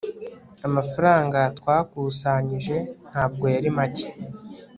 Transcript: amafaranga twakusanyije ntabwo yari make